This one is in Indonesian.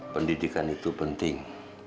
pendidikan itu penting